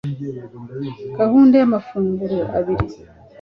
Gahunda ya mafunguro Abiri